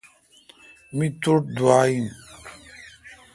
می تٹھ دعا این۔